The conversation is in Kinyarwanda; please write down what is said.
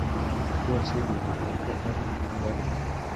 byose bivugwa ko ari ingaruka